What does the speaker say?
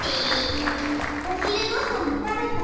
おひるごはんもたべた。